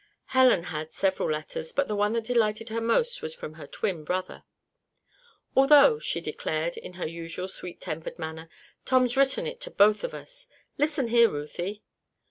Helen had several letters, but the one that delighted her most was from her twin brother. "Although," she declared, in her usual sweet tempered manner, "Tom's written it to both of us. Listen here, Ruthie!"